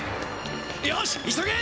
よし急げ！